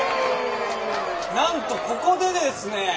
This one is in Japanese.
なんとここでですね